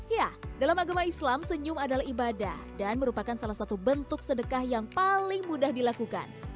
ya dalam agama islam senyum adalah ibadah dan merupakan salah satu bentuk sedekah yang paling mudah dilakukan